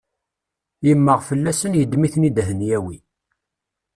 Yemmeɣ fell-asen yeddem-iten-id ad ten-yawi.